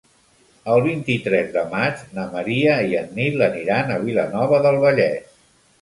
El vint-i-tres de maig na Maria i en Nil aniran a Vilanova del Vallès.